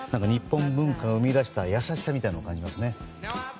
日本文化が生み出した優しさみたいなものを感じますね。